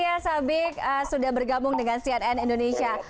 terima kasih ya sabik sudah bergabung dengan cnn indonesia